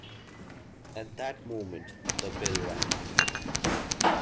At that moment the bell rang.